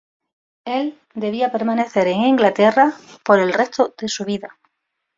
Él debía permanecer en Inglaterra por el resto de su vida.